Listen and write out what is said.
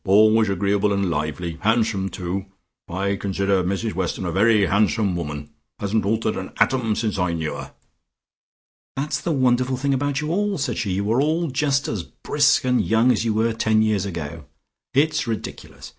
"Always agreeable and lively. Handsome, too: I consider Mrs Weston a very handsome woman. Hasn't altered an atom since I knew her." "That's the wonderful thing about you all!" said she. "You are all just as brisk and young as you were ten years ago. It's ridiculous.